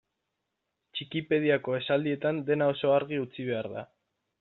Txikipediako esaldietan dena oso argi utzi behar da.